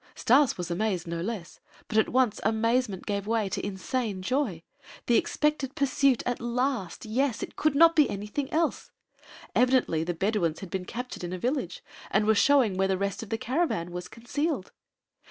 Stas was amazed no less, but at once amazement gave way to insane joy. The expected pursuit at last! Yes! That could not be anything else. Evidently the Bedouins had been captured in a village and were showing where the rest of the caravan was concealed!